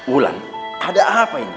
ulan ada apa ini